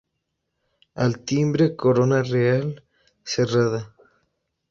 Al timbre Corona Real Cerrada.